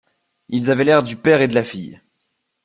Ils avaient l’air du père et de la fille.